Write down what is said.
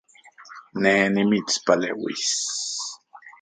Ne nimitspaleuis